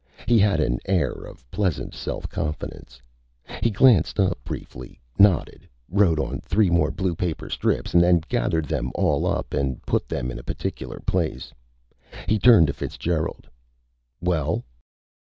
He had an air of pleasant self confidence. He glanced up briefly, nodded, wrote on three more blue paper strips, and then gathered them all up and put them in a particular place. He turned to Fitzgerald. "Well?"